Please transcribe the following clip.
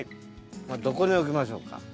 どこに置きましょうか？